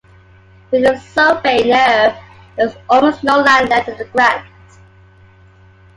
Due to a surveying error there was almost no land left in the grant.